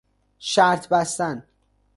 شرط بستن